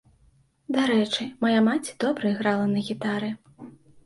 Дарэчы, мая маці добра іграла на гітары.